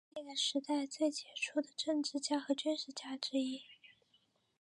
他是那个时代最杰出的政治家和军事家之一。